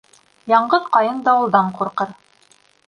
Яңғыҙ ҡайын дауылдан ҡурҡыр